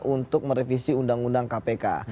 untuk merevisi undang undang kpk